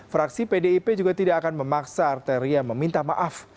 fraksi pdip juga tidak akan memaksa arteria meminta maaf